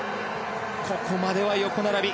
ここまでは横並び。